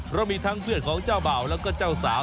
เพราะมีทั้งเพื่อนของเจ้าบ่าวแล้วก็เจ้าสาว